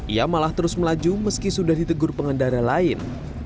ia malah terus melaju meski sudah ditegur pengendara lain